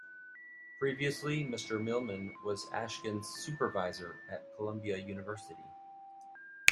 Previously, Mr. Millman was Ashkin's supervisor at Columbia University.